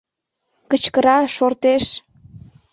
Кычкыра, шортеш.